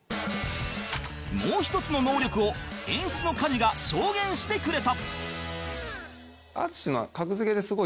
もう一つの能力を演出の加地が証言してくれた